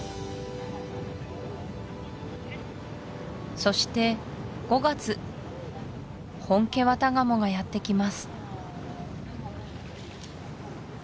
そして５月ホンケワタガモがやって来ます